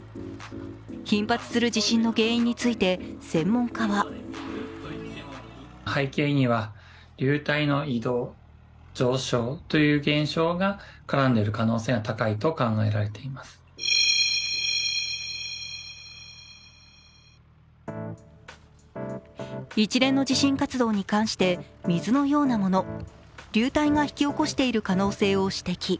頻発する地震の原因について専門家は一連の地震活動に関して、水のようなもの、流体が引き起こしている可能性を指摘。